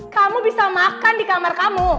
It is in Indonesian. kamu bisa makan di kamar kamu